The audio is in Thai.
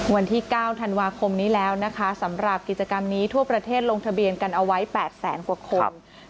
วันที่๙ธันวาคมนี้แล้วนะคะสำหรับกิจกรรมนี้ทั่วประเทศลงทะเบียนกันเอาไว้๘แสนกว่าคน